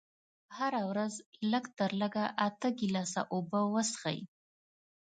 هره ورځ لږ تر لږه اته ګيلاسه اوبه وڅښئ.